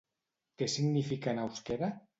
Què significa en euskera?